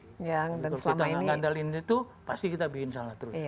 kalau kita mengandalin itu pasti kita bikin salah terus